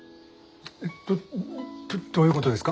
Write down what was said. えどどういうことですか？